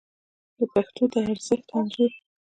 د پښتو د ارزښت انځور